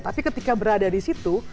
tapi ketika berada di situ